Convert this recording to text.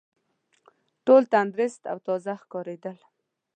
ټول تندرست او تازه ښکارېدل.